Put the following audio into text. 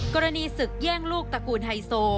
กรณีศึกแย่งลูกตระกูลไฮโซ